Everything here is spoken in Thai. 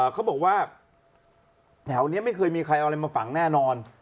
เขาบอกว่าแถวนี้ไม่เคยมีใครเอาอะไรมาฝังแน่นอน